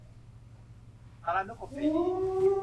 สารานุกรมเสรี